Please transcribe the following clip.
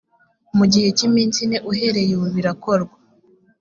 mu gihe cy iminsi ine uhereye ubu birakorwa